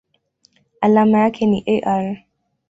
Alama yake ni Ar.